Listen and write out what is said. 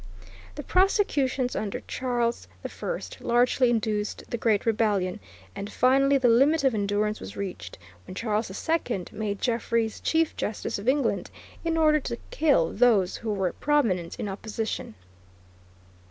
The prosecutions under Charles I largely induced the Great Rebellion; and finally the limit of endurance was reached when Charles II made Jeffreys Chief Justice of England in order to kill those who were prominent in opposition.